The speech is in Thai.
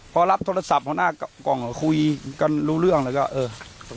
พอรับโทรศัพท์หัวหน้ากล่องก็คุยกันรู้เรื่องแล้วก็เออ